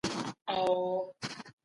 موږ له خپل تېر څخه بې پروا نه سو